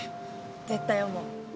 絶対思う。